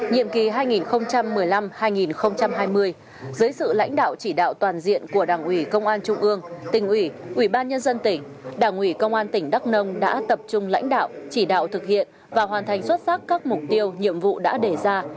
nhiệm kỳ hai nghìn một mươi năm hai nghìn hai mươi dưới sự lãnh đạo chỉ đạo toàn diện của đảng ủy công an trung ương tỉnh ủy ủy ban nhân dân tỉnh đảng ủy công an tỉnh đắk nông đã tập trung lãnh đạo chỉ đạo thực hiện và hoàn thành xuất sắc các mục tiêu nhiệm vụ đã đề ra